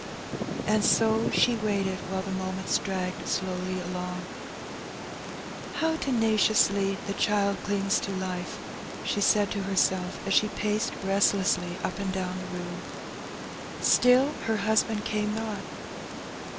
And so she waited while the moments dragged slowly along. ^^How tenaciously the child clings to life!" she said to Life at the Faem. 223 ic herself as she paced restlessly up and down the room. Still her husband came not.